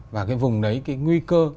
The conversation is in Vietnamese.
và cái vùng đấy cái nguy cơ